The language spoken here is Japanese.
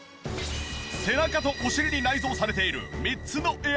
背中とお尻に内蔵されている３つのエアバッグ。